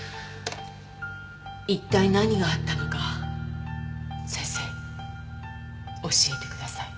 一体何があったのか先生教えてください。